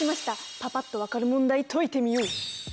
パパっと分かる問題解いてみよう。